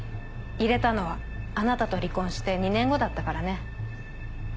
入れたのはあなたと離婚して２年後だったからね。